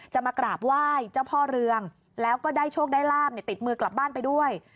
มากราบไหว้เจ้าพ่อเรืองแล้วก็ได้โชคได้ลาบติดมือกลับบ้านไปด้วย